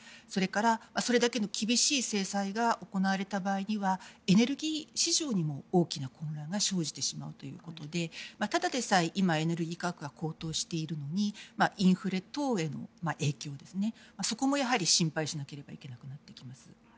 それからそれだけの厳しい制裁が行われた場合にはエネルギー市場にも大きな混乱が生じてしまうということでただでさえ今、エネルギー価格が高騰しているのにインフレ等への影響などもそこも心配しなくてはいけなくなってしまいます。